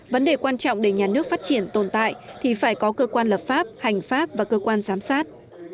vấn đề quan trọng để nhà nước phát triển tồn tại thì phải có cơ quan lập pháp hành pháp và cơ quan giám sát